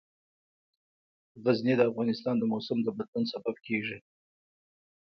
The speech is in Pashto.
غزني د افغانستان د موسم د بدلون سبب کېږي.